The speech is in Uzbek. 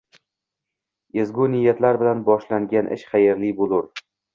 Ezgu niyatlar bilan boshlangan ish xayrli bo‘lur